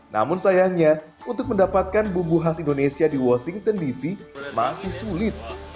namun sayangnya untuk mendapatkan bumbu khas indonesia di washington dc masih sulit